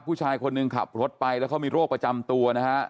ผู้ชายคนหนึ่งขับรถไปแล้วเขามีโรคประจำตัวนะฮะ